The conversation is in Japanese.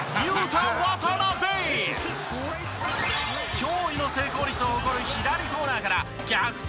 驚異の成功率を誇る左コーナーから逆転